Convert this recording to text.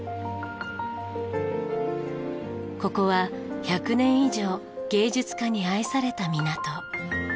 ここは１００年以上芸術家に愛された港。